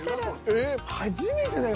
初めてだよ！